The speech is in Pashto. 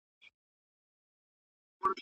خاموشي اوس یوه مانا پیدا کړې ده.